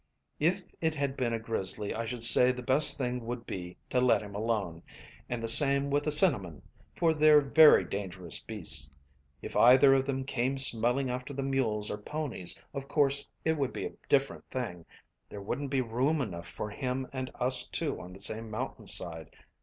"If it had been a grizzly I should say the best thing would be to let him alone, and the same with a cinnamon, for they're very dangerous beasts. If either of them came smelling after the mules or ponies of course it would be a different thing. There wouldn't be room enough for him and us too on the same mountain side.